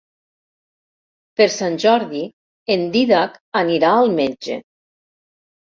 Per Sant Jordi en Dídac anirà al metge.